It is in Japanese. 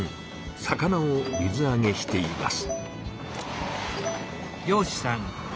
魚を水あげしています。